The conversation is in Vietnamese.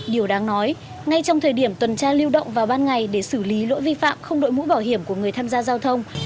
điều đáng nói ngay trong thời điểm tuần tra lưu động vào ban ngày để xử lý lỗi vi phạm không đội mũ bảo hiểm của người tham gia giao thông